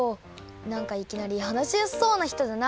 なんかいきなりはなしやすそうなひとだな。